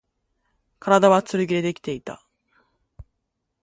体は剣でできていた